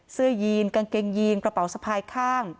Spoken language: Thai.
ยีนกางเกงยีนกระเป๋าสะพายข้าง